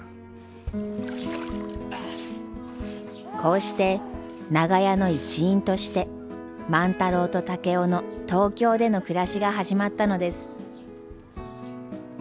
こうして長屋の一員として万太郎と竹雄の東京での暮らしが始まったのです。